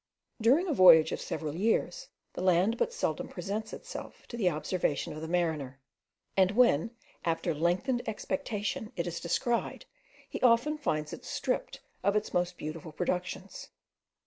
During a voyage of several years, the land but seldom presents itself to the observation of the mariner, and when, after lengthened expectation, it is descried, he often finds it stripped of its most beautiful productions.